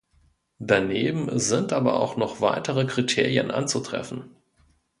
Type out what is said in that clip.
Daneben sind aber auch noch weitere Kriterien anzutreffen.